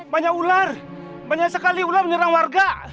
banyak ular banyak sekali ular menyerang warga